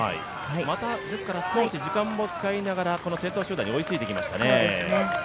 また少し時間も使いながら先頭集団に追いついてきましたね。